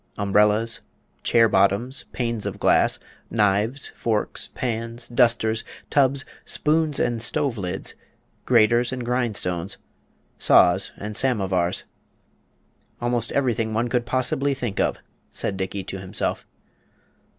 Umbrellas, chair bottoms, panes of glass, knives, forks, pans, dusters, tubs, spoons and stove lids, graters and grind stones, saws and samovars, "Almost everything one could possibly think of," said Dickey to himself.